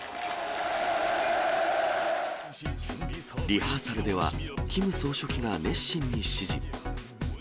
リハーサルでは、キム総書記が熱心に指示。